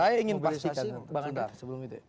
saya ingin pastikan bang andar sebelum itu ya